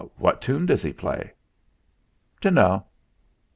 "What tune does he play?" "Dunno."